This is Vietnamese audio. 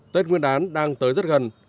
tết nguyên đán đang tới rất gần